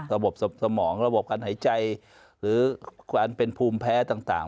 ระบบสมองระบบการหายใจหรือความเป็นภูมิแพ้ต่าง